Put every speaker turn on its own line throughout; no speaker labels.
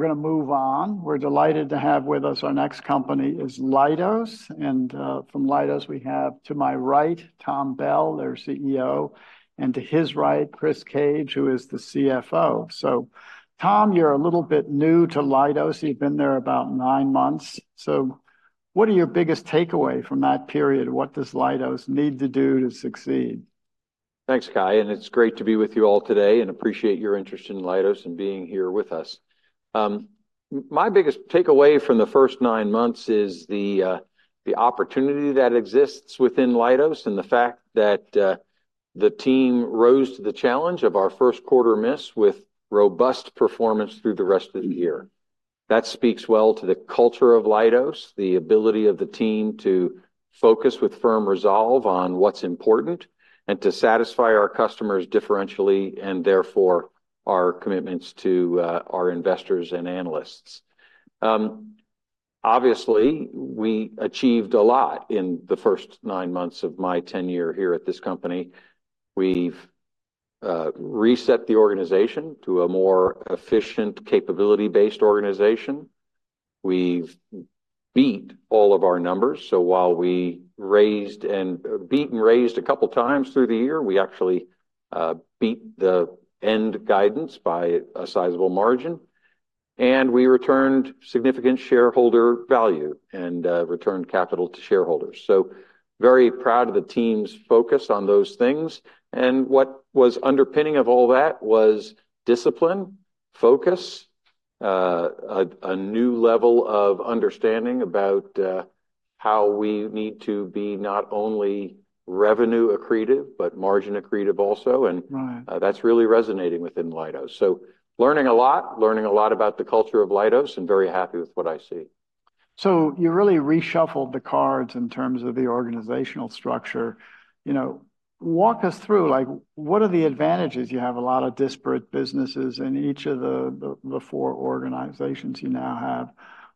We're going to move on. We're delighted to have with us our next company is Leidos. And, from Leidos we have to my right Tom Bell, their CEO, and to his right Chris Cage, who is the CFO. So, Tom, you're a little bit new to Leidos. You've been there about 9 months. So what are your biggest takeaways from that period? What does Leidos need to do to succeed?
Thanks, Cai. It's great to be with you all today and appreciate your interest in Leidos and being here with us. My biggest takeaway from the first nine months is the opportunity that exists within Leidos and the fact that the team rose to the challenge of our first quarter miss with robust performance through the rest of the year. That speaks well to the culture of Leidos, the ability of the team to focus with firm resolve on what's important and to satisfy our customers differentially and therefore our commitments to our investors and analysts. Obviously, we achieved a lot in the first nine months of my tenure here at this company. We've reset the organization to a more efficient, capability-based organization. We've beat all of our numbers. So while we raised and beat and raised a couple of times through the year, we actually beat the end guidance by a sizable margin. And we returned significant shareholder value and returned capital to shareholders. So very proud of the team's focus on those things. And what was underpinning of all that was discipline, focus, a new level of understanding about how we need to be not only revenue accretive but margin accretive also. And that's really resonating within Leidos. So learning a lot, learning a lot about the culture of Leidos, and very happy with what I see.
So you really reshuffled the cards in terms of the organizational structure. You know, walk us through, like, what are the advantages? You have a lot of disparate businesses in each of the four organizations you now have.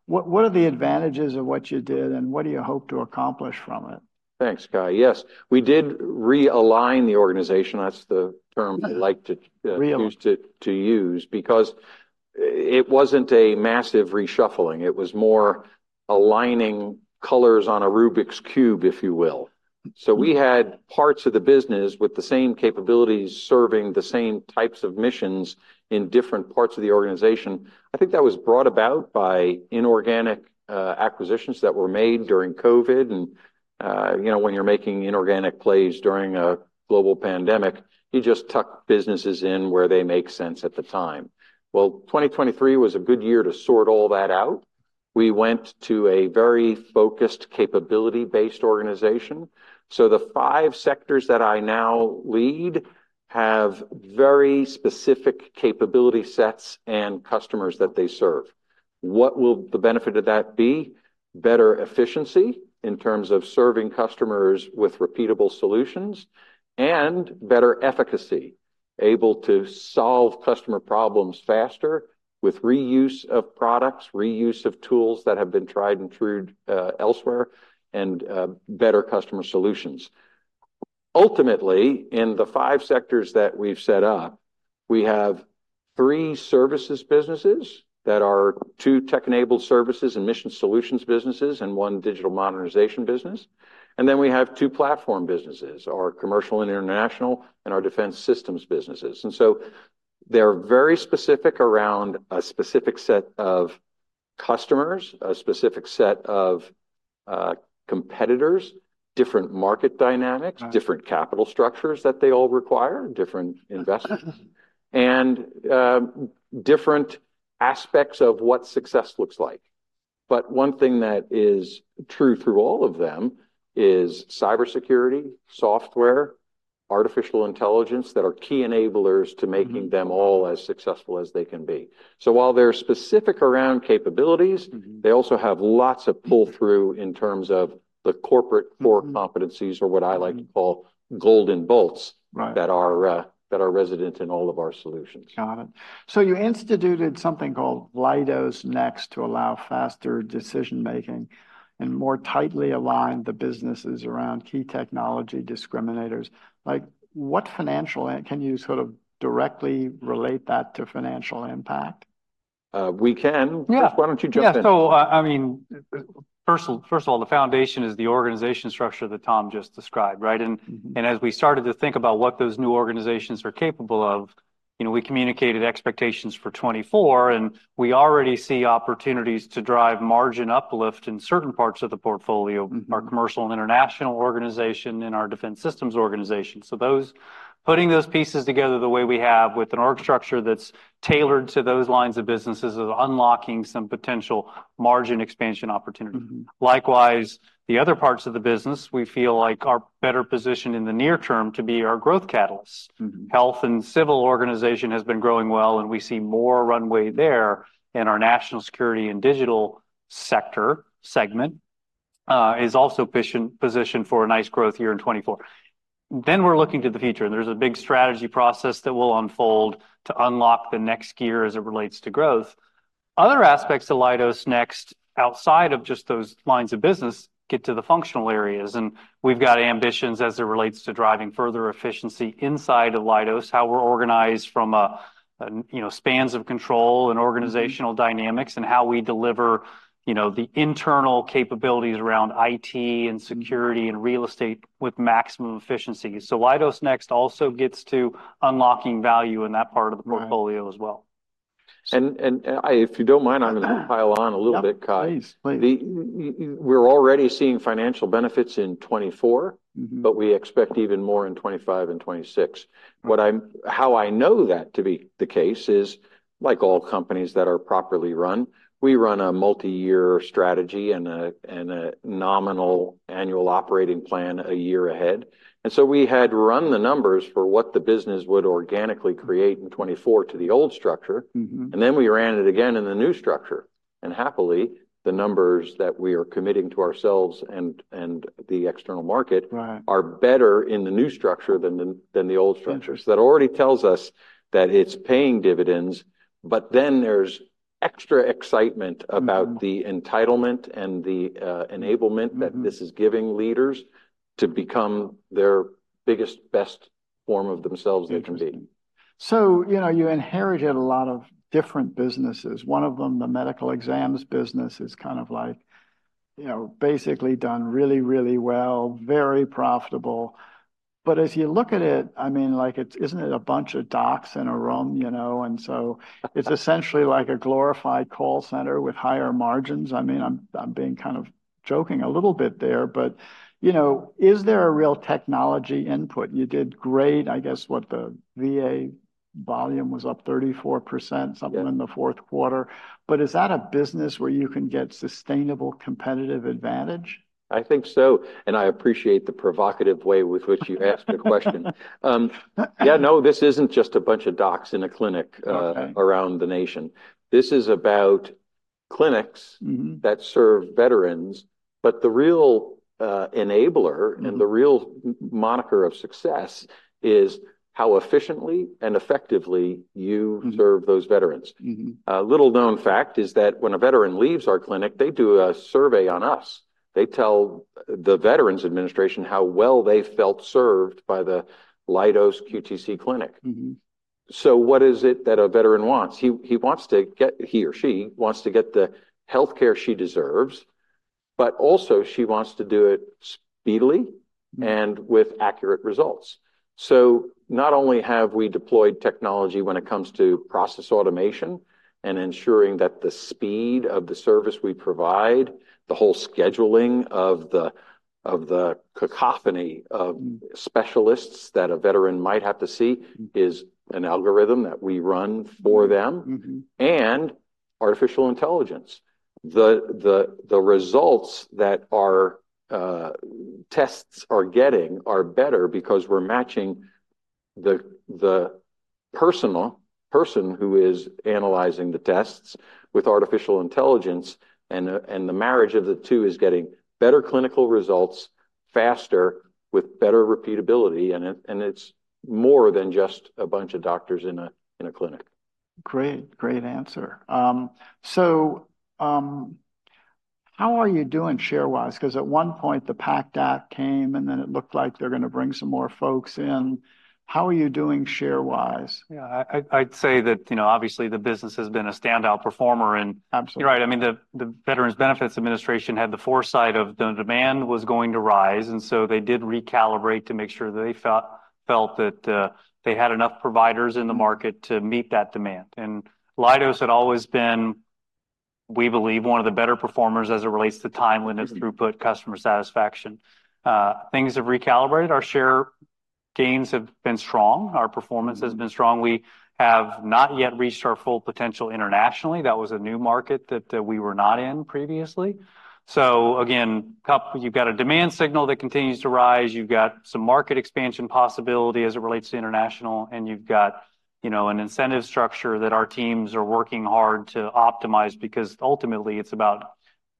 What are the advantages of what you did, and what do you hope to accomplish from it?
Thanks, Cai. Yes, we did realign the organization. That's the term I like to use because it wasn't a massive reshuffling. It was more aligning colors on a Rubik's Cube, if you will. So we had parts of the business with the same capabilities serving the same types of missions in different parts of the organization. I think that was brought about by inorganic acquisitions that were made during COVID. And, you know, when you're making inorganic plays during a global pandemic, you just tuck businesses in where they make sense at the time. Well, 2023 was a good year to sort all that out. We went to a very focused, capability-based organization. So the five sectors that I now lead have very specific capability sets and customers that they serve. What will the benefit of that be? Better efficiency in terms of serving customers with repeatable solutions and better efficacy, able to solve customer problems faster with reuse of products, reuse of tools that have been tried and trued elsewhere, and better customer solutions. Ultimately, in the five sectors that we've set up, we have three services businesses that are two tech-enabled services and mission solutions businesses and one Digital Modernization business. And then we have two platform businesses, our Commercial and International, and our Defense Systems businesses. And so they're very specific around a specific set of customers, a specific set of competitors, different market dynamics, different capital structures that they all require, different investors, and different aspects of what success looks like. But one thing that is true through all of them is cybersecurity, software, artificial intelligence that are key enablers to making them all as successful as they can be. While they're specific around capabilities, they also have lots of pull-through in terms of the corporate core competencies, or what I like to call golden bolts, that are resident in all of our solutions.
Got it. So you instituted something called Leidos Next to allow faster decision-making and more tightly align the businesses around key technology discriminators. Like, what financial can you sort of directly relate that to financial impact?
We can. Why don't you jump in?
Yeah. So, I mean, first of all, the foundation is the organization structure that Tom just described, right? And as we started to think about what those new organizations are capable of, you know, we communicated expectations for 2024, and we already see opportunities to drive margin uplift in certain parts of the portfolio: our commercial and international organization and our Defense Systems organization. So putting those pieces together the way we have, with an org structure that's tailored to those lines of businesses, is unlocking some potential margin expansion opportunities. Likewise, the other parts of the business we feel like are better positioned in the near term to be our growth catalysts. Health and Civil organization has been growing well, and we see more runway there in our Then we're looking to the future, and there's a big strategy process that will unfold to unlock the next gear as it relates to growth. Other aspects of Leidos Next, outside of just those lines of business, get to the functional areas. And we've got ambitions as it relates to driving further efficiency inside of Leidos, how we're organized from, you know, spans of control and organizational dynamics, and how we deliver, you know, the internal capabilities around IT and security and real estate with maximum efficiency. So Leidos Next also gets to unlocking value in that part of the portfolio as well.
If you don't mind, I'm going to pile on a little bit, Cai. We're already seeing financial benefits in 2024, but we expect even more in 2025 and 2026. How I know that to be the case is, like all companies that are properly run, we run a multi-year strategy and a nominal annual operating plan a year ahead. And so we had run the numbers for what the business would organically create in 2024 to the old structure, and then we ran it again in the new structure. And happily, the numbers that we are committing to ourselves and the external market are better in the new structure than the old structure. So that already tells us that it's paying dividends, but then there's extra excitement about the entitlement and the enablement that this is giving leaders to become their biggest, best form of themselves they can be.
So, you know, you inherited a lot of different businesses. One of them, the medical exams business, is kind of like, you know, basically done really, really well, very profitable. But as you look at it, I mean, like, isn't it a bunch of docs in a room, you know? And so it's essentially like a glorified call center with higher margins. I mean, I'm being kind of joking a little bit there. But, you know, is there a real technology input? You did great, I guess, what the VA volume was up 34%, something in the fourth quarter. But is that a business where you can get sustainable competitive advantage?
I think so. I appreciate the provocative way with which you asked the question. Yeah, no, this isn't just a bunch of docs in a clinic around the nation. This is about clinics that serve veterans. But the real enabler and the real moniker of success is how efficiently and effectively you serve those veterans. Little known fact is that when a veteran leaves our clinic, they do a survey on us. They tell the Veterans Administration how well they felt served by the Leidos QTC clinic. So what is it that a veteran wants? He or she wants to get the health care she deserves, but also she wants to do it speedily and with accurate results. So not only have we deployed technology when it comes to process automation and ensuring that the speed of the service we provide, the whole scheduling of the cacophony of specialists that a veteran might have to see is an algorithm that we run for them, and artificial intelligence. The results that our tests are getting are better because we're matching the personal person who is analyzing the tests with artificial intelligence, and the marriage of the two is getting better clinical results faster with better repeatability. It's more than just a bunch of doctors in a clinic.
Great, great answer. So how are you doing share-wise? Because at one point, the PACT Act came, and then it looked like they're going to bring some more folks in. How are you doing share-wise?
Yeah, I'd say that, you know, obviously, the business has been a standout performer. And you're right. I mean, the Veterans Benefits Administration had the foresight of the demand was going to rise, and so they did recalibrate to make sure that they felt that they had enough providers in the market to meet that demand. And Leidos had always been, we believe, one of the better performers as it relates to timeliness, throughput, customer satisfaction. Things have recalibrated. Our share gains have been strong. Our performance has been strong. We have not yet reached our full potential internationally. That was a new market that we were not in previously. So again, you've got a demand signal that continues to rise. You've got some market expansion possibility as it relates to international. You've got, you know, an incentive structure that our teams are working hard to optimize because ultimately, it's about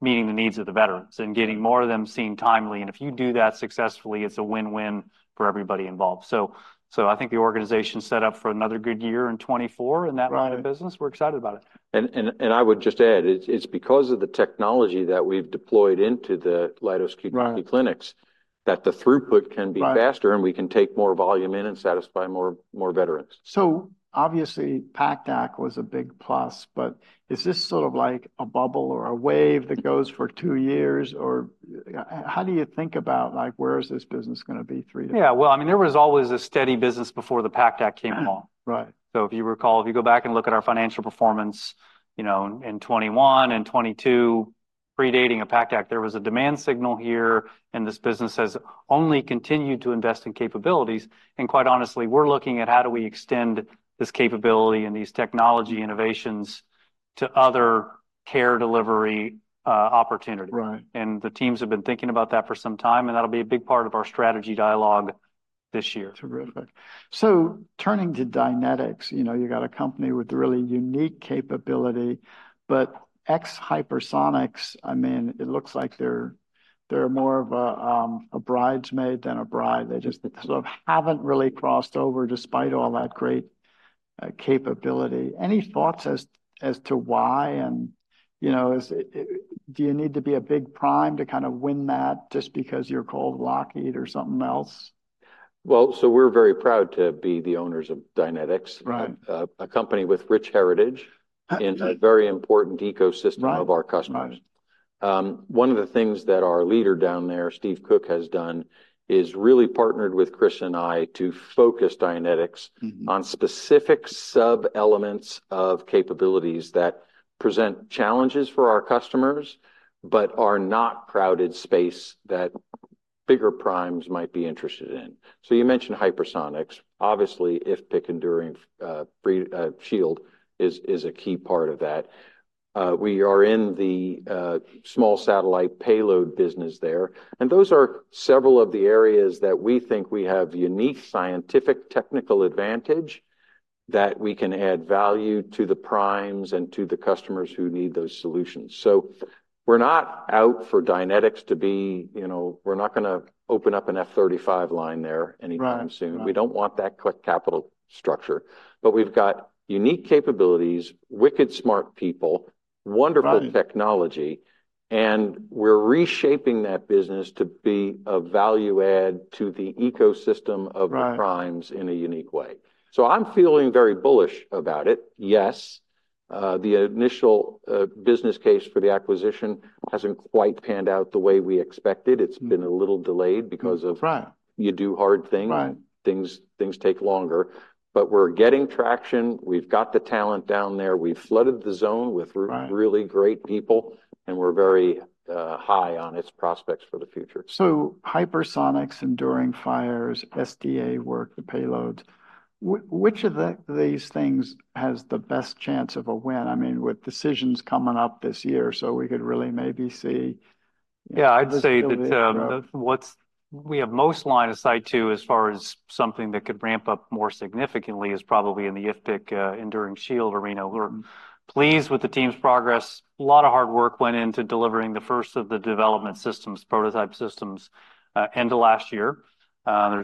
meeting the needs of the veterans and getting more of them seen timely. If you do that successfully, it's a win-win for everybody involved. I think the organization is set up for another good year in 2024 in that line of business. We're excited about it.
I would just add, it's because of the technology that we've deployed into the Leidos QTC clinics that the throughput can be faster, and we can take more volume in and satisfy more veterans.
So obviously, PACT Act was a big plus. But is this sort of like a bubble or a wave that goes for two years? Or how do you think about, like, where is this business going to be three to five years?
Yeah, well, I mean, there was always a steady business before the PACT Act came along. So if you recall, if you go back and look at our financial performance, you know, in 2021 and 2022 predating a PACT Act, there was a demand signal here, and this business has only continued to invest in capabilities. And quite honestly, we're looking at how do we extend this capability and these technology innovations to other care delivery opportunities. And the teams have been thinking about that for some time, and that'll be a big part of our strategy dialogue this year.
Terrific. So turning to Dynetics, you know, you've got a company with really unique capability. But in hypersonics, I mean, it looks like they're more of a bridesmaid than a bride. They just sort of haven't really crossed over despite all that great capability. Any thoughts as to why? And, you know, do you need to be a big prime to kind of win that just because you're called Lockheed or something else?
Well, so we're very proud to be the owners of Dynetics, a company with rich heritage in a very important ecosystem of our customers. One of the things that our leader down there, Steve Cook, has done is really partnered with Chris and I to focus Dynetics on specific sub-elements of capabilities that present challenges for our customers but are not crowded space that bigger primes might be interested in. So you mentioned hypersonics. Obviously, IFPC and Enduring Shield is a key part of that. We are in the small satellite payload business there. And those are several of the areas that we think we have unique scientific technical advantage that we can add value to the primes and to the customers who need those solutions. So we're not out for Dynetics to be, you know, we're not going to open up an F-35 line there anytime soon. We don't want that capital structure. But we've got unique capabilities, wicked smart people, wonderful technology, and we're reshaping that business to be a value add to the ecosystem of primes in a unique way. So I'm feeling very bullish about it, yes. The initial business case for the acquisition hasn't quite panned out the way we expected. It's been a little delayed because of you do hard things. Things take longer. But we're getting traction. We've got the talent down there. We've flooded the zone with really great people, and we're very high on its prospects for the future.
So hypersonics, Enduring Shield, SDA work, the payloads. Which of these things has the best chance of a win? I mean, with decisions coming up this year, so we could really maybe see.
Yeah, I'd say that what we have most line of sight to as far as something that could ramp up more significantly is probably in the IFPC Enduring Shield arena. We're pleased with the team's progress. A lot of hard work went into delivering the first of the development systems, prototype systems, end of last year.
A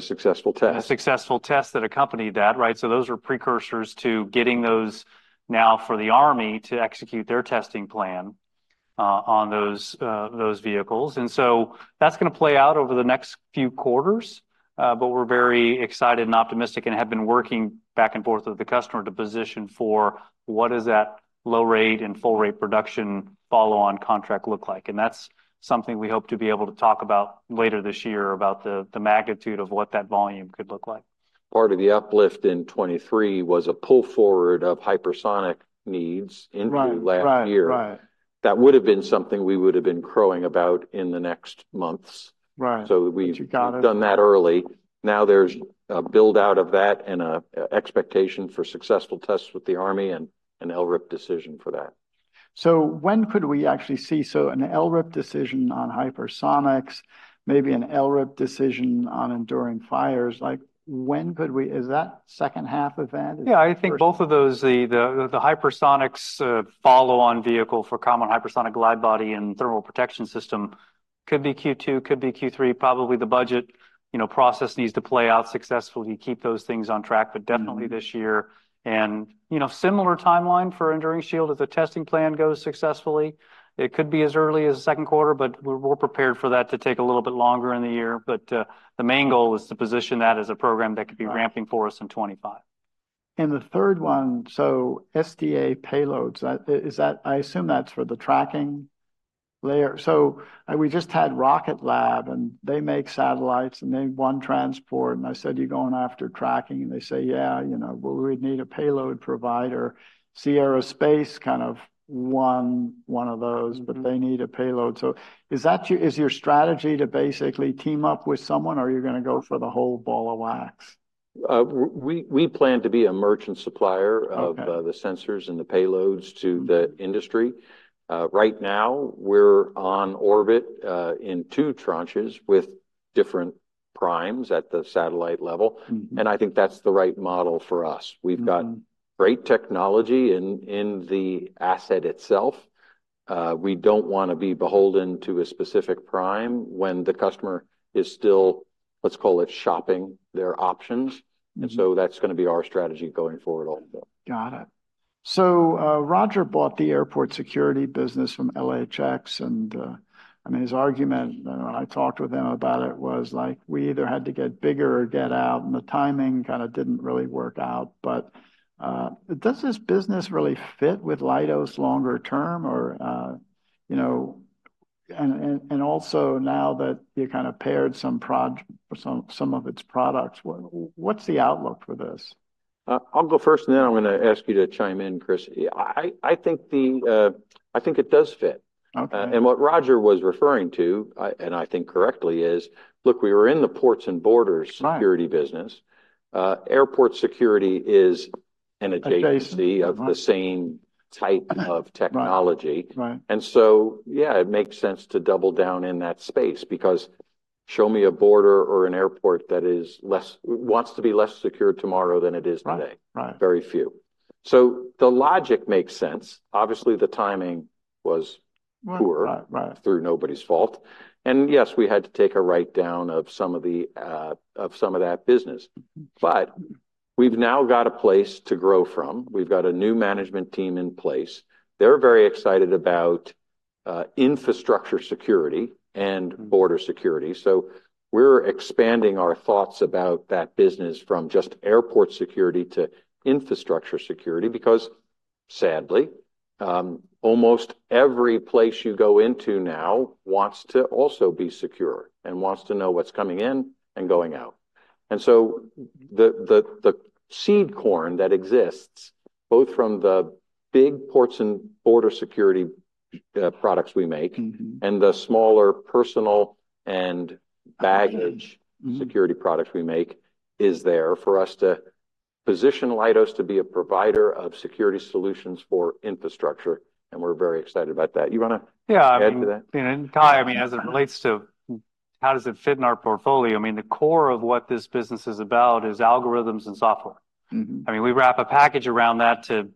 successful test.
A successful test that accompanied that, right? So those were precursors to getting those now for the Army to execute their testing plan on those vehicles. And so that's going to play out over the next few quarters. But we're very excited and optimistic and have been working back and forth with the customer to position for what does that low-rate and full-rate production follow-on contract look like? And that's something we hope to be able to talk about later this year, about the magnitude of what that volume could look like.
Part of the uplift in 2023 was a pull forward of hypersonic needs into last year. That would have been something we would have been crowing about in the next months. So we've done that early. Now there's a build-out of that and an expectation for successful tests with the Army and an LRIP decision for that.
So, when could we actually see? So, an LRIP decision on Hypersonics, maybe an LRIP decision on Enduring Shield. Like, when could we? Is that second half of that?
Yeah, I think both of those, the hypersonics follow-on vehicle for Common Hypersonic Glide Body and Thermal Protection System could be Q2, could be Q3. Probably the budget, you know, process needs to play out successfully to keep those things on track, but definitely this year. And, you know, similar timeline for Enduring Shield as the testing plan goes successfully. It could be as early as the second quarter, but we're prepared for that to take a little bit longer in the year. But the main goal is to position that as a program that could be ramping for us in 2025.
And the third one, so SDA payloads, is that I assume that's for the Tracking Layer. So we just had Rocket Lab, and they make satellites, and they won Transport. And I said, you're going after Tracking. And they say, yeah, you know, well, we'd need a payload provider. Sierra Space kind of won one of those, but they need a payload. So is that your strategy to basically team up with someone, or are you going after the whole ball of wax?
We plan to be a merchant supplier of the sensors and the payloads to the industry. Right now, we're on orbit in two tranches with different primes at the satellite level. I think that's the right model for us. We've got great technology in the asset itself. We don't want to be beholden to a specific prime when the customer is still, let's call it, shopping their options. And so that's going to be our strategy going forward also.
Got it. So Roger bought the airport security business from L3Harris. And I mean, his argument, when I talked with him about it, was like, we either had to get bigger or get out. And the timing kind of didn't really work out. But does this business really fit with Leidos longer term? Or, you know, and also now that you kind of paired some of its products, what's the outlook for this?
I'll go first, and then I'm going to ask you to chime in, Chris. I think it does fit. And what Roger was referring to, and I think correctly, is, look, we were in the ports and borders security business. Airport security is an adjacency of the same type of technology. And so, yeah, it makes sense to double down in that space because show me a border or an airport that wants to be less secure tomorrow than it is today. Very few. So the logic makes sense. Obviously, the timing was poor through nobody's fault. And yes, we had to take a write-down of some of that business. But we've now got a place to grow from. We've got a new management team in place. They're very excited about infrastructure security and border security. We're expanding our thoughts about that business from just airport security to infrastructure security because, sadly, almost every place you go into now wants to also be secure and wants to know what's coming in and going out. The seed corn that exists, both from the big ports and border security products we make and the smaller personal and baggage security products we make, is there for us to position Leidos to be a provider of security solutions for infrastructure. We're very excited about that. You want to add to that?
Yeah. And Cai, I mean, as it relates to how does it fit in our portfolio? I mean, the core of what this business is about is algorithms and software. I mean, we wrap a package around that to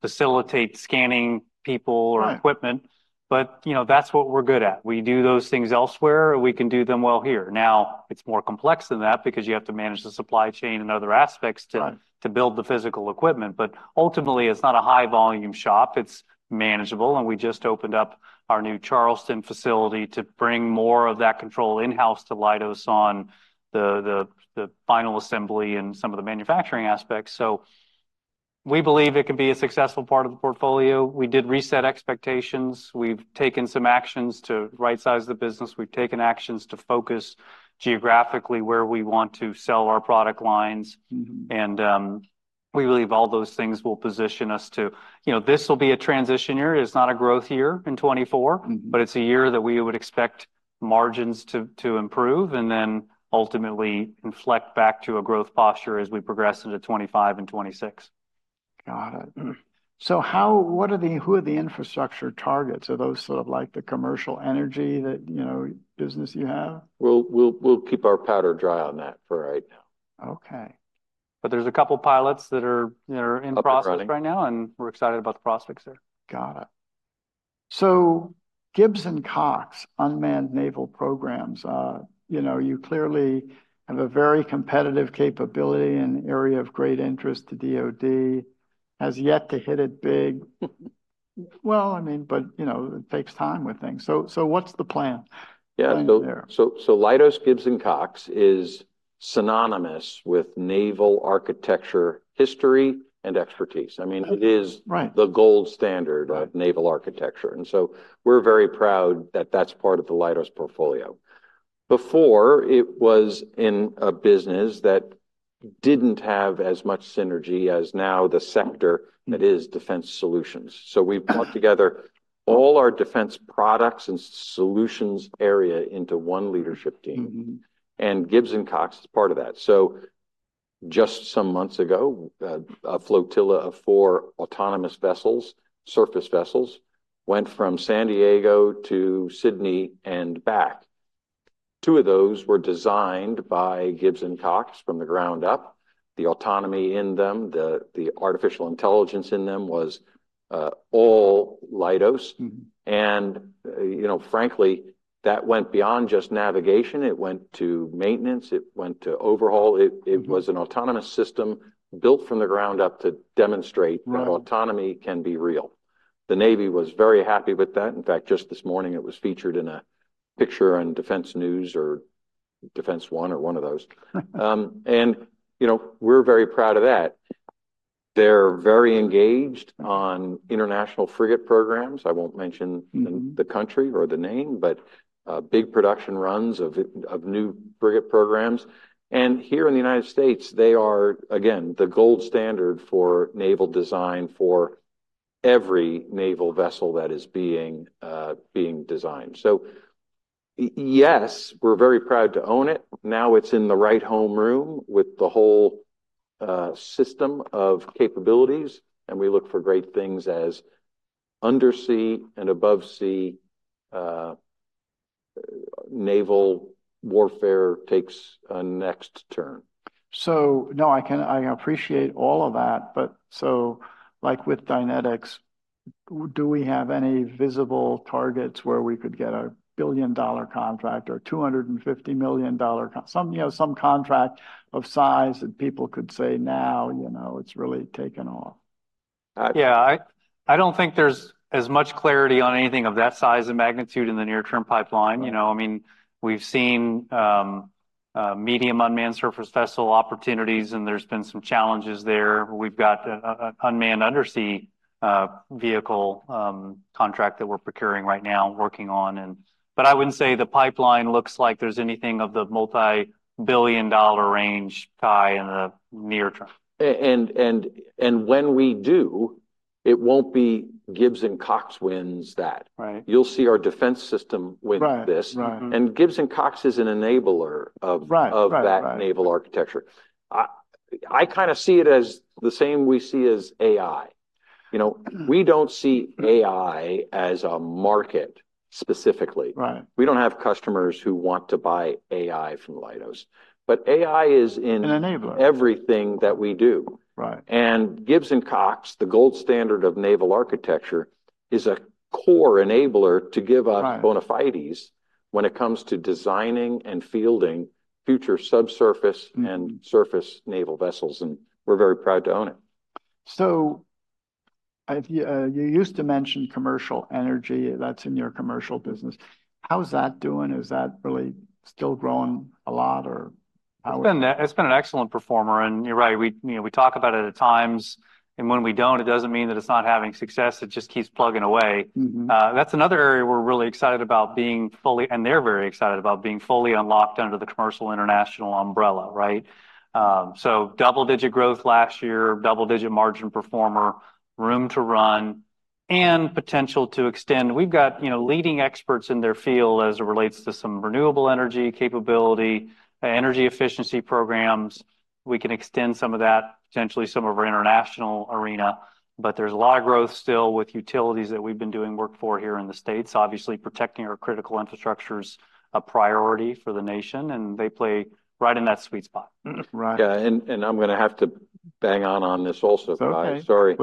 facilitate scanning people or equipment. But, you know, that's what we're good at. We do those things elsewhere, and we can do them well here. Now, it's more complex than that because you have to manage the supply chain and other aspects to build the physical equipment. But ultimately, it's not a high-volume shop. It's manageable. And we just opened up our new Charleston facility to bring more of that control in-house to Leidos on the final assembly and some of the manufacturing aspects. So we believe it can be a successful part of the portfolio. We did reset expectations. We've taken some actions to right-size the business. We've taken actions to focus geographically where we want to sell our product lines. We believe all those things will position us to, you know, this will be a transition year. It's not a growth year in 2024, but it's a year that we would expect margins to improve and then ultimately inflect back to a growth posture as we progress into 2025 and 2026.
Got it. So how, what are the, who are the infrastructure targets? Are those sort of like the commercial energy that, you know, business you have?
We'll keep our powder dry on that for right now.
OK.
But there's a couple of pilots that are in process right now, and we're excited about the prospects there.
Got it. So Gibbs & Cox unmanned naval programs, you know, you clearly have a very competitive capability and area of great interest to DOD. Has yet to hit it big. Well, I mean, but, you know, it takes time with things. So what's the plan?
Yeah, so Leidos, Gibbs & Cox is synonymous with naval architecture history and expertise. I mean, it is the gold standard of naval architecture. And so we're very proud that that's part of the Leidos portfolio. Before, it was in a business that didn't have as much synergy as now the sector that is defense solutions. So we've brought together all our defense products and solutions area into one leadership team. And Gibbs & Cox is part of that. So just some months ago, a flotilla of four autonomous vessels, surface vessels, went from San Diego to Sydney and back. Two of those were designed by Gibbs & Cox from the ground up. The autonomy in them, the artificial intelligence in them was all Leidos. And, you know, frankly, that went beyond just navigation. It went to maintenance. It went to overhaul. It was an autonomous system built from the ground up to demonstrate that autonomy can be real. The Navy was very happy with that. In fact, just this morning, it was featured in a picture on Defense News or Defense One or one of those. And, you know, we're very proud of that. They're very engaged on international frigate programs. I won't mention the country or the name, but big production runs of new frigate programs. And here in the United States, they are, again, the gold standard for naval design for every naval vessel that is being designed. So yes, we're very proud to own it. Now it's in the right home room with the whole system of capabilities. And we look for great things as undersea and above-sea naval warfare takes a next turn.
No, I appreciate all of that. But, like, with Dynetics, do we have any visible targets where we could get a billion-dollar contract or $250 million something, you know, some contract of size that people could say, now, you know, it's really taken off?
Yeah, I don't think there's as much clarity on anything of that size and magnitude in the near-term pipeline. You know, I mean, we've seen medium unmanned surface vessel opportunities, and there's been some challenges there. We've got an unmanned undersea vehicle contract that we're procuring right now, working on. But I wouldn't say the pipeline looks like there's anything of the multi-billion-dollar range, Cai, in the near term.
And when we do, it won't be Gibbs & Cox wins that. You'll see our defense system win this. And Gibbs & Cox is an enabler of that naval architecture. I kind of see it as the same we see as AI. You know, we don't see AI as a market specifically. We don't have customers who want to buy AI from Leidos. But AI is in everything that we do. And Gibbs & Cox, the gold standard of naval architecture, is a core enabler to give us bona fides when it comes to designing and fielding future subsurface and surface naval vessels. And we're very proud to own it.
You used to mention commercial energy. That's in your commercial business. How's that doing? Is that really still growing a lot? Or how?
It's been an excellent performer. And you're right. We talk about it at times. And when we don't, it doesn't mean that it's not having success. It just keeps plugging away. That's another area we're really excited about being fully and they're very excited about being fully unlocked under the commercial international umbrella, right? So double-digit growth last year, double-digit margin performer, room to run, and potential to extend. We've got leading experts in their field as it relates to some renewable energy capability, energy efficiency programs. We can extend some of that, potentially some of our international arena. But there's a lot of growth still with utilities that we've been doing work for here in the States, obviously protecting our critical infrastructure as a priority for the nation. And they play right in that sweet spot.
Yeah, and I'm going to have to bang on on this also, Cai. Sorry.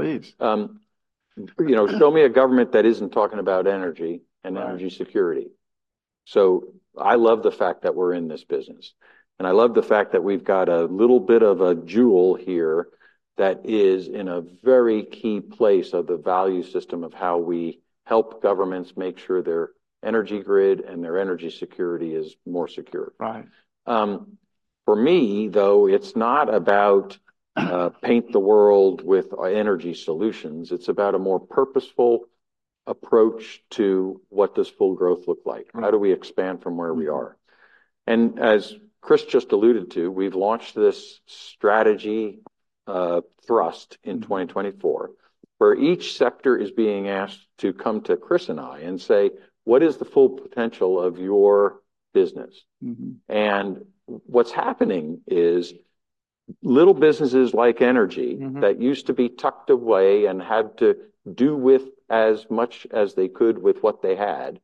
You know, show me a government that isn't talking about energy and energy security. So I love the fact that we're in this business. And I love the fact that we've got a little bit of a jewel here that is in a very key place of the value system of how we help governments make sure their energy grid and their energy security is more secure. For me, though, it's not about paint the world with energy solutions. It's about a more purposeful approach to what does full growth look like? How do we expand from where we are? And as Chris just alluded to, we've launched this strategy thrust in 2024 where each sector is being asked to come to Chris and I and say, what is the full potential of your business? And what's happening is little businesses like energy that used to be tucked away and had to do with as much as they could with what they had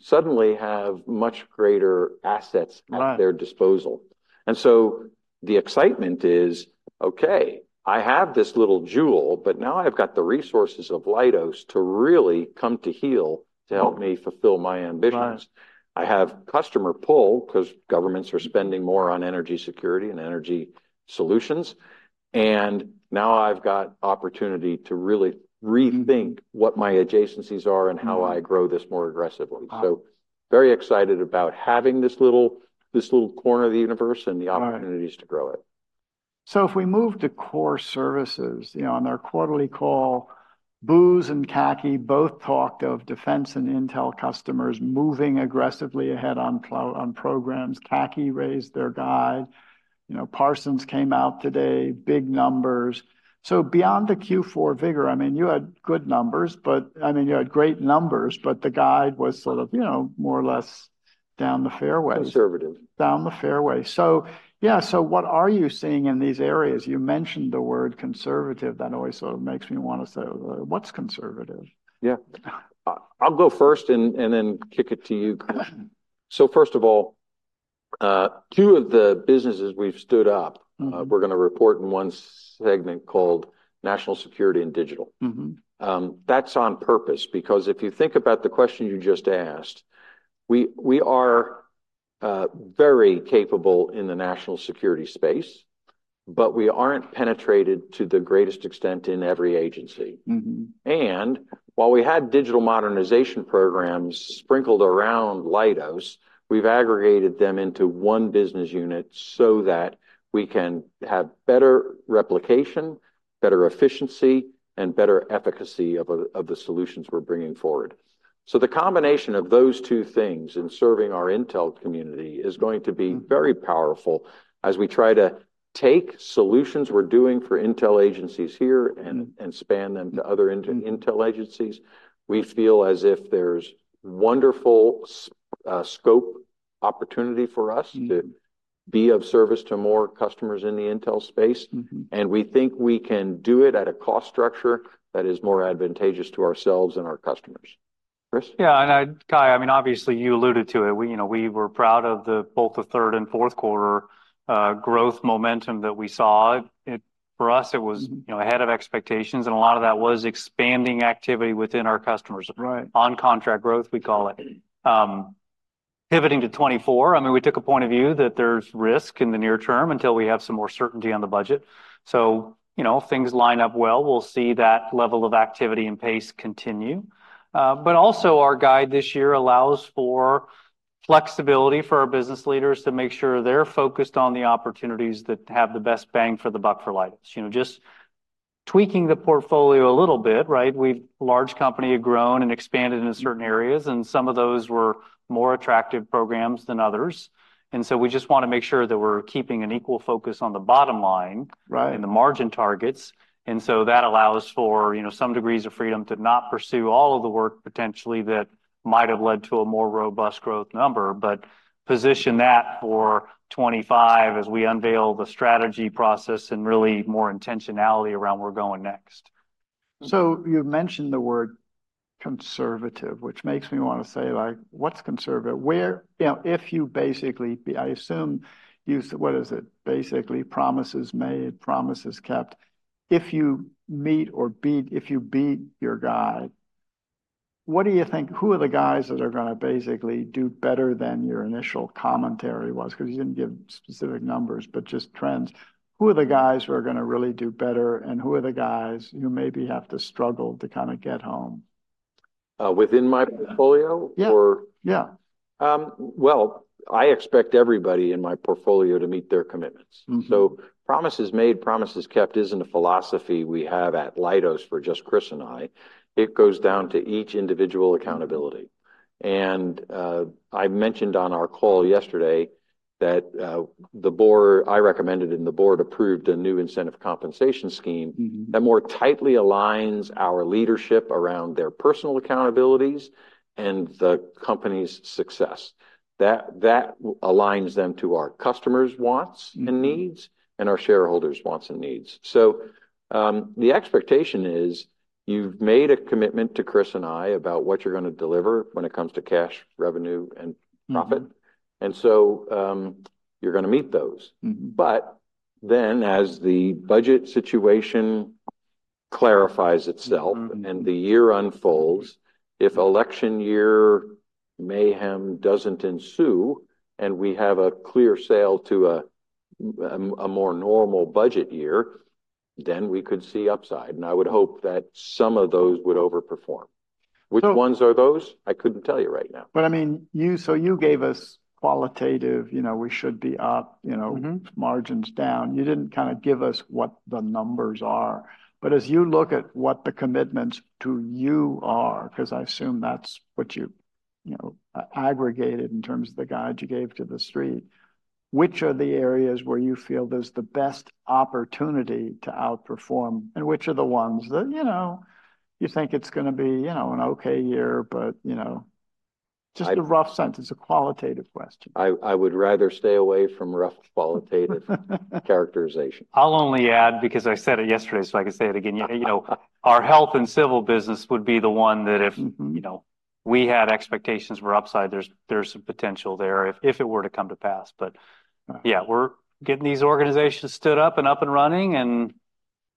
suddenly have much greater assets at their disposal. And so the excitement is, OK, I have this little jewel, but now I've got the resources of Leidos to really come to heel to help me fulfill my ambitions. I have customer pull because governments are spending more on energy security and energy solutions. And now I've got opportunity to really rethink what my adjacencies are and how I grow this more aggressively. So very excited about having this little corner of the universe and the opportunities to grow it.
So if we move to core services, you know, on their quarterly call, Booz and CACI both talked of defense and intel customers moving aggressively ahead on programs. CACI raised their guide. Parsons came out today, big numbers. So beyond the Q4 vigor, I mean, you had good numbers. But I mean, you had great numbers. But the guide was sort of, you know, more or less down the fairway.
Conservative.
Down the fairway. So yeah, so what are you seeing in these areas? You mentioned the word conservative. That always sort of makes me want to say, what's conservative?
Yeah. I'll go first and then kick it to you, Chris. First of all, two of the businesses we've stood up, we're going to report in one segment called National Security and Digital. That's on purpose because if you think about the question you just asked, we are very capable in the national security space, but we aren't penetrated to the greatest extent in every agency. While we had Digital Modernization programs sprinkled around Leidos, we've aggregated them into one business unit so that we can have better replication, better efficiency, and better efficacy of the solutions we're bringing forward. The combination of those two things in serving our intel community is going to be very powerful as we try to take solutions we're doing for intel agencies here and span them to other intel agencies. We feel as if there's wonderful scope opportunity for us to be of service to more customers in the intel space. We think we can do it at a cost structure that is more advantageous to ourselves and our customers. Chris?
Yeah, and I, Cai, I mean, obviously, you alluded to it. You know, we were proud of both the third and fourth quarter growth momentum that we saw. For us, it was ahead of expectations. And a lot of that was expanding activity within our customers, on-contract growth, we call it. Pivoting to 2024, I mean, we took a point of view that there's risk in the near term until we have some more certainty on the budget. So, you know, if things line up well, we'll see that level of activity and pace continue. But also, our guide this year allows for flexibility for our business leaders to make sure they're focused on the opportunities that have the best bang for the buck for Leidos. You know, just tweaking the portfolio a little bit, right? We've large company have grown and expanded in certain areas. Some of those were more attractive programs than others. So we just want to make sure that we're keeping an equal focus on the bottom line and the margin targets. So that allows for some degrees of freedom to not pursue all of the work, potentially, that might have led to a more robust growth number, but position that for 2025 as we unveil the strategy process and really more intentionality around where we're going next.
So you mentioned the word conservative, which makes me want to say, like, what's conservative? Where, you know, if you basically I assume you what is it? Basically, promises made, promises kept. If you meet or beat if you beat your guide, what do you think who are the guys that are going to basically do better than your initial commentary was? Because you didn't give specific numbers, but just trends. Who are the guys who are going to really do better? And who are the guys who maybe have to struggle to kind of get home?
Within my portfolio?
Yeah.
Well, I expect everybody in my portfolio to meet their commitments. So promises made, promises kept isn't a philosophy we have at Leidos for just Chris and I. It goes down to each individual accountability. And I mentioned on our call yesterday that the board I recommended and the board approved a new incentive compensation scheme that more tightly aligns our leadership around their personal accountabilities and the company's success. That aligns them to our customers' wants and needs and our shareholders' wants and needs. So the expectation is you've made a commitment to Chris and I about what you're going to deliver when it comes to cash, revenue, and profit. And so you're going to meet those. But then, as the budget situation clarifies itself and the year unfolds, if election year mayhem doesn't ensue and we have a clear sale to a more normal budget year, then we could see upside. And I would hope that some of those would overperform. Which ones are those? I couldn't tell you right now.
But I mean, you so you gave us qualitative, you know, we should be up, you know, margins down. You didn't kind of give us what the numbers are. But as you look at what the commitments to you are because I assume that's what you aggregated in terms of the guide you gave to the street, which are the areas where you feel there's the best opportunity to outperform? And which are the ones that, you know, you think it's going to be, you know, an OK year, but, you know, just a rough sense? It's a qualitative question.
I would rather stay away from rough qualitative characterization.
I'll only add, because I said it yesterday, so I could say it again, you know, our Health and Civil business would be the one that if, you know, we had expectations were upside, there's some potential there if it were to come to pass. But yeah, we're getting these organizations stood up and up and running. And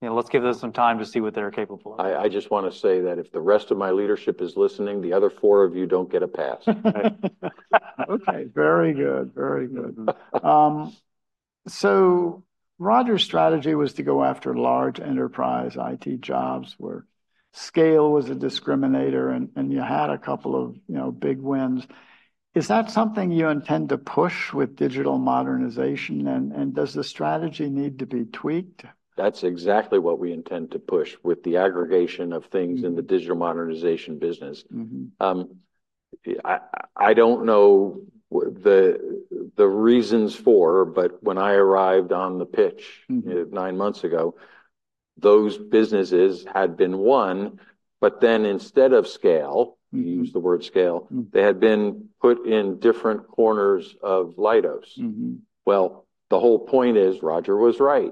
let's give them some time to see what they're capable of.
I just want to say that if the rest of my leadership is listening, the other four of you don't get a pass.
OK, very good, very good. Roger's strategy was to go after large enterprise IT jobs where scale was a discriminator. You had a couple of big wins. Is that something you intend to push with Digital Modernization? Does the strategy need to be tweaked?
That's exactly what we intend to push with the aggregation of things in the Digital Modernization business. I don't know the reasons for. But when I arrived on the pitch nine months ago, those businesses had been won. But then, instead of scale you use the word scale they had been put in different corners of Leidos. Well, the whole point is Roger was right.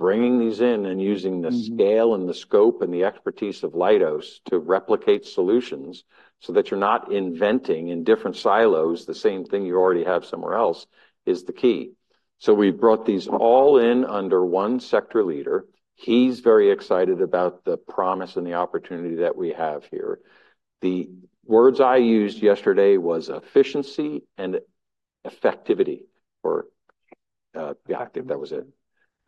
Bringing these in and using the scale and the scope and the expertise of Leidos to replicate solutions so that you're not inventing in different silos the same thing you already have somewhere else is the key. So we brought these all in under one sector leader. He's very excited about the promise and the opportunity that we have here. The words I used yesterday was efficiency and effectivity. Or effective, that was it.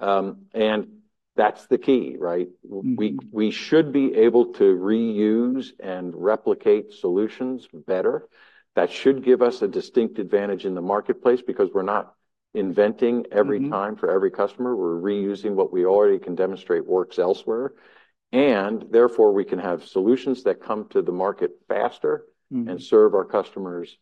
And that's the key, right? We should be able to reuse and replicate solutions better. That should give us a distinct advantage in the marketplace because we're not inventing every time for every customer. We're reusing what we already can demonstrate works elsewhere. And therefore, we can have solutions that come to the market faster and serve our customers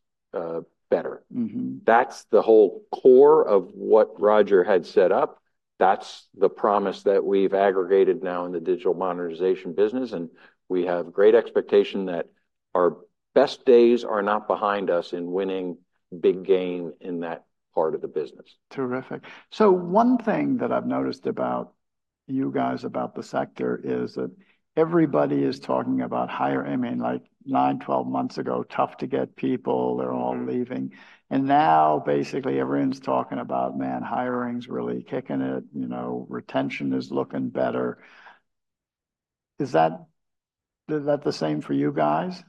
better. That's the whole core of what Roger had set up. That's the promise that we've aggregated now in the Digital Modernization business. And we have great expectation that our best days are not behind us in winning big gain in that part of the business.
Terrific. So one thing that I've noticed about you guys about the sector is that everybody is talking about hiring, I mean, like, nine, 12 months ago, tough to get people. They're all leaving. And now, basically, everyone's talking about, man, hiring's really kicking it. You know, retention is looking better. Is that the same for you guys?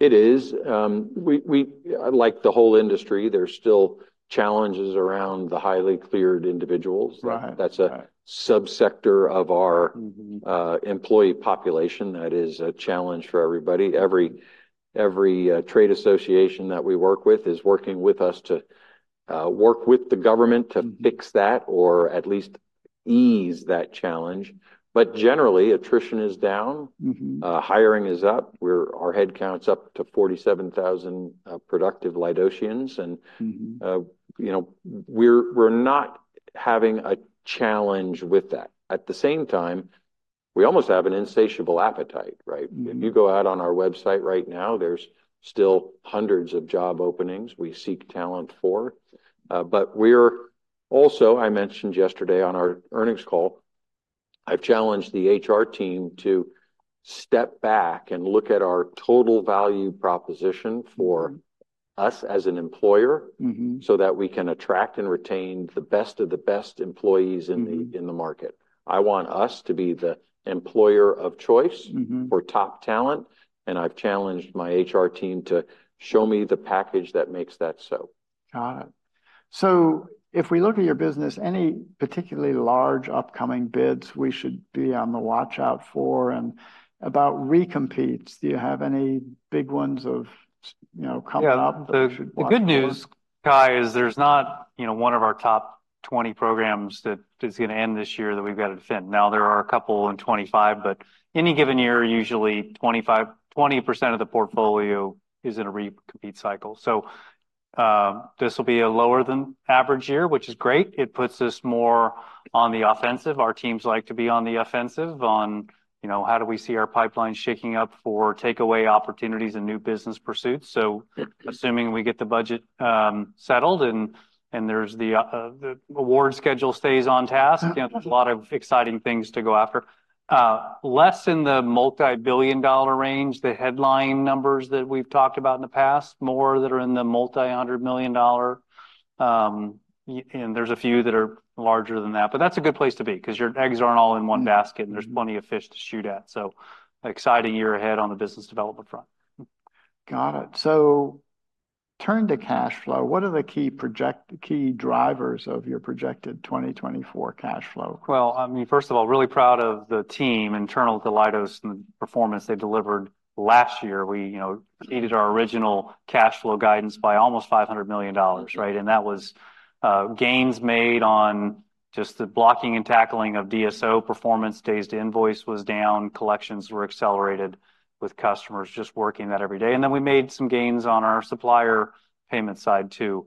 It is. Like the whole industry, there's still challenges around the highly cleared individuals. That's a subsector of our employee population that is a challenge for everybody. Every trade association that we work with is working with us to work with the government to fix that or at least ease that challenge. But generally, attrition is down. Hiring is up. Our headcount's up to 47,000 productive Leidosians. And, you know, we're not having a challenge with that. At the same time, we almost have an insatiable appetite, right? If you go out on our website right now, there's still hundreds of job openings we seek talent for. But we're also, I mentioned yesterday on our earnings call, I've challenged the HR team to step back and look at our total value proposition for us as an employer so that we can attract and retain the best of the best employees in the market. I want us to be the employer of choice for top talent. I've challenged my HR team to show me the package that makes that so.
Got it. So if we look at your business, any particularly large upcoming bids we should be on the watch out for? And about recompetes, do you have any big ones coming up?
Yeah, the good news, Cai, is there's not, you know, one of our top 20 programs that is going to end this year that we've got to defend. Now, there are a couple in 2025. But any given year, usually, 20% of the portfolio is in a recompete cycle. So this will be a lower-than-average year, which is great. It puts us more on the offensive. Our teams like to be on the offensive on, you know, how do we see our pipeline shaking up for takeaway opportunities and new business pursuits? So assuming we get the budget settled and there's the award schedule stays on task, you know, there's a lot of exciting things to go after. Less in the multibillion-dollar range, the headline numbers that we've talked about in the past, more that are in the multi-hundred million dollar. And there's a few that are larger than that. That's a good place to be because your eggs aren't all in one basket. There's plenty of fish to shoot at. Exciting year ahead on the business development front.
Got it. So turn to cash flow. What are the key drivers of your projected 2024 cash flow?
Well, I mean, first of all, really proud of the team internal to Leidos and the performance they delivered last year. We, you know, beat our original cash flow guidance by almost $500 million, right? And that was gains made on just the blocking and tackling of DSO. Performance days to invoice was down. Collections were accelerated with customers just working that every day. And then we made some gains on our supplier payment side, too.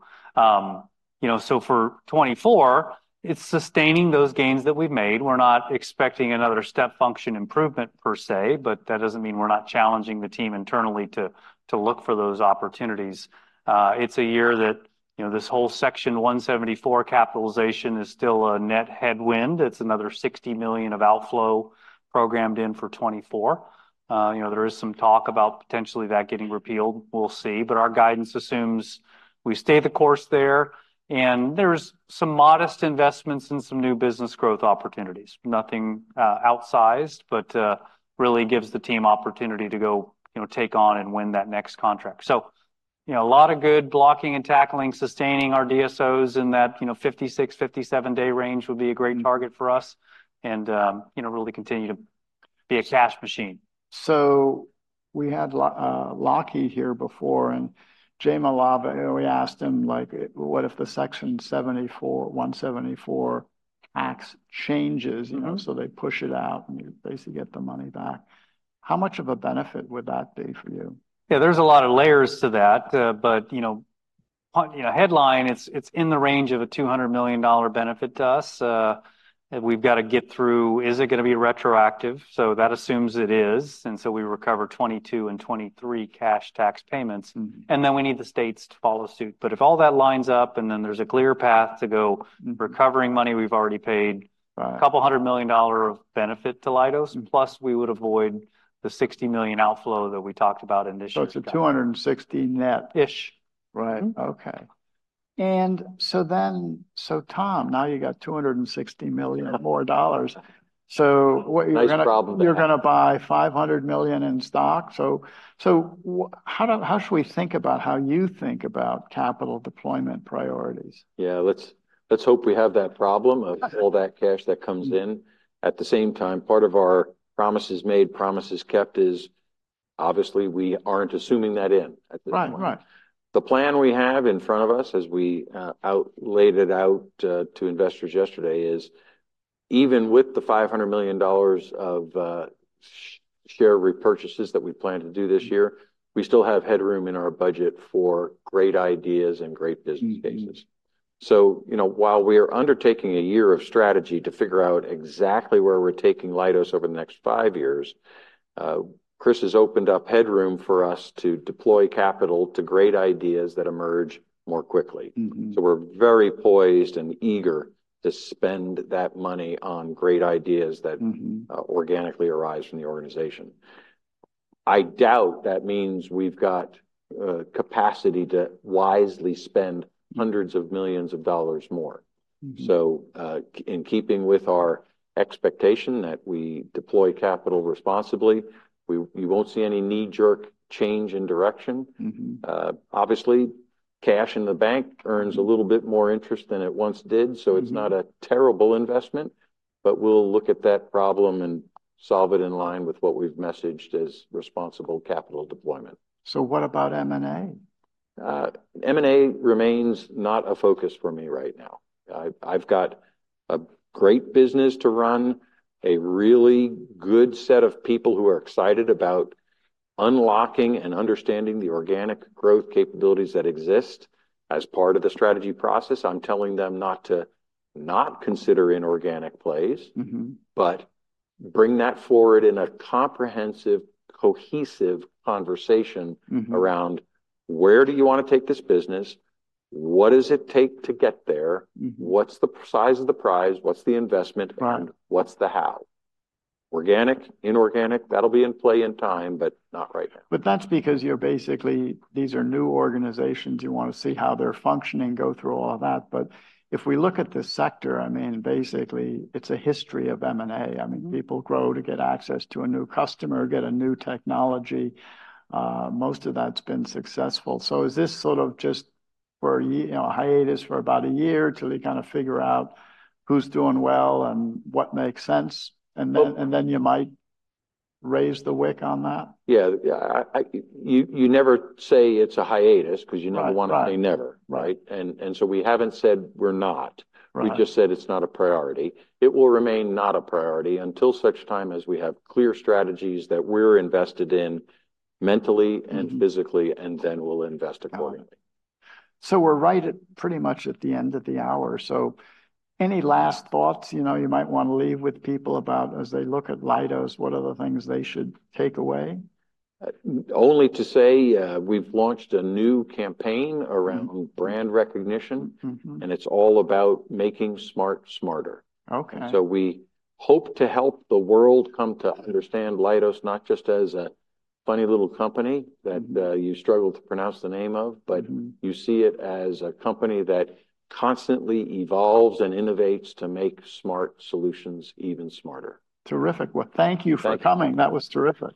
You know, so for 2024, it's sustaining those gains that we've made. We're not expecting another step function improvement, per se. But that doesn't mean we're not challenging the team internally to look for those opportunities. It's a year that, you know, this whole Section 174 capitalization is still a net headwind. It's another $60 million of outflow programmed in for 2024. You know, there is some talk about potentially that getting repealed. We'll see. But our guidance assumes we stay the course there. And there's some modest investments in some new business growth opportunities, nothing outsized, but really gives the team opportunity to go, you know, take on and win that next contract. So, you know, a lot of good blocking and tackling, sustaining our DSOs in that, you know, 56-57-day range would be a great target for us. And, you know, really continue to be a cash machine.
We had Lockheed here before. Jay Malave, we asked him, like, what if the Section 174 tax changes, you know, so they push it out and you basically get the money back? How much of a benefit would that be for you?
Yeah, there's a lot of layers to that. But, you know, headline, it's in the range of a $200 million benefit to us. We've got to get through is it going to be retroactive? So that assumes it is. And so we recover 2022 and 2023 cash tax payments. And then we need the states to follow suit. But if all that lines up and then there's a clear path to go recovering money we've already paid, $200 million of benefit to Leidos, plus we would avoid the $60 million outflow that we talked about initially.
It's a $260 net.
Ish.
Right, OK. And so then, so Tom, now you got $260 million or more dollars. So you're going to buy $500 million in stock. So how should we think about how you think about capital deployment priorities?
Yeah, let's hope we have that problem of all that cash that comes in. At the same time, part of our promises made, promises kept is, obviously, we aren't assuming that in at this point. The plan we have in front of us, as we laid it out to investors yesterday, is even with the $500 million of share repurchases that we plan to do this year, we still have headroom in our budget for great ideas and great business cases. So, you know, while we are undertaking a year of strategy to figure out exactly where we're taking Leidos over the next five years, Chris has opened up headroom for us to deploy capital to great ideas that emerge more quickly. So we're very poised and eager to spend that money on great ideas that organically arise from the organization. I doubt that means we've got capacity to wisely spend $hundreds of millions more. So in keeping with our expectation that we deploy capital responsibly, you won't see any knee-jerk change in direction. Obviously, cash in the bank earns a little bit more interest than it once did. So it's not a terrible investment. But we'll look at that problem and solve it in line with what we've messaged as responsible capital deployment.
What about M&A?
M&A remains not a focus for me right now. I've got a great business to run, a really good set of people who are excited about unlocking and understanding the organic growth capabilities that exist as part of the strategy process. I'm telling them not to not consider inorganic plays, but bring that forward in a comprehensive, cohesive conversation around where do you want to take this business? What does it take to get there? What's the size of the prize? What's the investment? And what's the how? Organic, inorganic, that'll be in play in time, but not right now.
But that's because you're basically these are new organizations. You want to see how they're functioning, go through all that. But if we look at the sector, I mean, basically, it's a history of M&A. I mean, people grow to get access to a new customer, get a new technology. Most of that's been successful. So is this sort of just for a hiatus for about a year till you kind of figure out who's doing well and what makes sense? And then you might raise the wick on that?
Yeah, you never say it's a hiatus because you never want to say never, right? And so we haven't said we're not. We just said it's not a priority. It will remain not a priority until such time as we have clear strategies that we're invested in mentally and physically. And then we'll invest accordingly.
So we're right at pretty much the end of the hour. So any last thoughts, you know, you might want to leave with people about, as they look at Leidos, what are the things they should take away?
Only to say we've launched a new campaign around brand recognition. It's all about making smart smarter. We hope to help the world come to understand Leidos not just as a funny little company that you struggle to pronounce the name of, but you see it as a company that constantly evolves and innovates to make smart solutions even smarter.
Terrific. Well, thank you for coming. That was terrific.